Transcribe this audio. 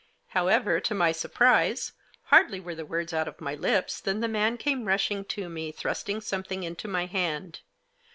However, to my surprise, hardly were the words out of my lips, than the man came rushing to me, thrusting something into my hand.